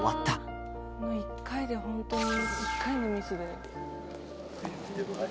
「この１回で本当に１回のミスで」